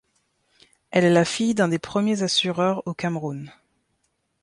Elle est la fille d'un des premiers assureurs au Cameroun.